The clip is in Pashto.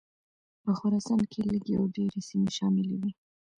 په خراسان کې لږې او ډېرې سیمې شاملي وې.